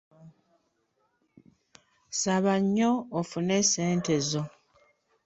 Saba nnyo ofune ssente zo.